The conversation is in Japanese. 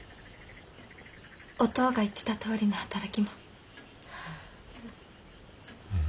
おとうが言ってたとおりの働きもん。